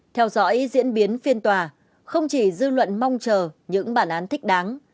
theo dõi diễn biến phiên tòa không chỉ dư luận mong chờ những bản án thích đáng